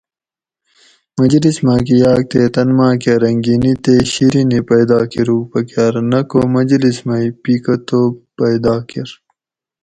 مجلس ماکہ یاگ تے تن ماکہ رنگینی تے شیرینی پیدا کروگ پکار نہ کو مجلس مئی پِیکہ توب پیدا کۤر